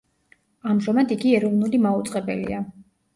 ამჟამად იგი ეროვნული მაუწყებელია.